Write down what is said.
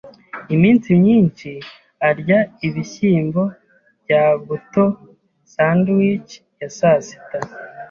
Iminsi myinshi arya ibishyimbo bya buto sandwich ya sasita.